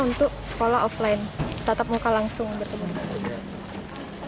untuk sekolah offline tatap muka langsung bertemu